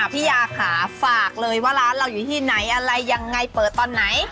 พี่ยาค่ะฝากเลยว่าร้านเราอยู่ที่ไหนอะไรยังไงเปิดตอนไหน